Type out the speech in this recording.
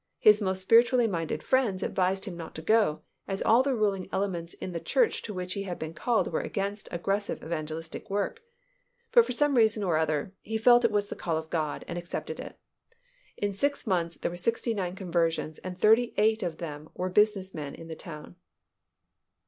His most spiritually minded friends advised him not to go, as all the ruling elements in the church to which he had been called were against aggressive evangelistic work, but for some reason or other, he felt it was the call of God and accepted it. In six months, there were sixty nine conversions, and thirty eight of them were business men of the town.